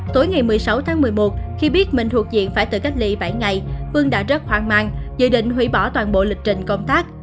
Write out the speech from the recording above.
tối ngày một mươi sáu tháng một mươi một khi biết mình thuộc diện phải tự cách ly bảy ngày vương đã rất hoang mang dự định hủy bỏ toàn bộ lịch trình công tác